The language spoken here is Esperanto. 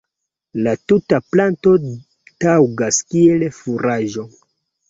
La tuta planto taŭgas kiel furaĝo.